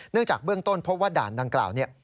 เนื่องจากเบื้องต้นเพราะว่าด่านดังกล่าวนี่